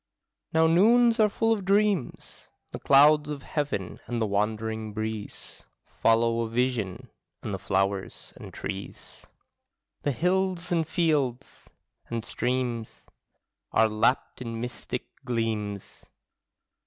Now noons are full of dreams; The clouds of heaven and the wandering breeze Follow a vision; and the flowers and trees, The hills and fields and streams, Are lapped in mystic gleams.